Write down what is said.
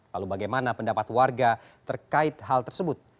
lalu bagaimana pendapat warga terkait hal tersebut